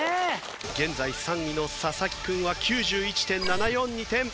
現在３位の佐々木君は９１．７４２点。